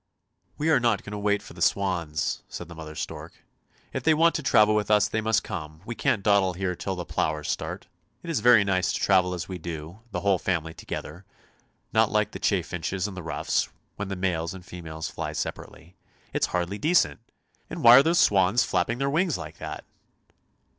" We are not going to wait for the swans," said the mother stork; " if they want to travel with us they must come. We can't dawdle here till the plovers start ! It is very nice to travel as we do, the whole family together, not like the chaffinches and the ruffs, when the males and females fly separately; it's hardly decent ! And why are those swans flapping their wings like that